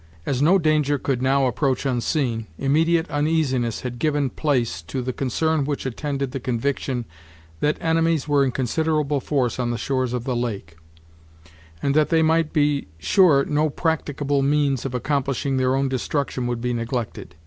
As no danger could now approach unseen, immediate uneasiness had given place to the concern which attended the conviction that enemies were in considerable force on the shores of the lake, and that they might be sure no practicable means of accomplishing their own destruction would be neglected.